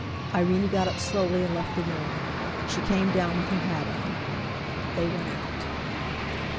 Irene got up slowly and left the room. She came down with her hat on. They went out.